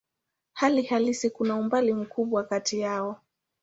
Hali halisi kuna umbali mkubwa kati yao.